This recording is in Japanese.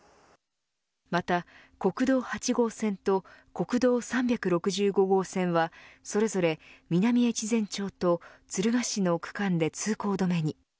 また国道８号線と国道３６５号線はそれぞれ、南越前町と敦賀市の区間で通行止めに。